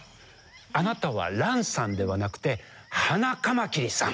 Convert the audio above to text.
あなたはランさんではなくてハナカマキリさん。